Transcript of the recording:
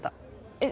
えっ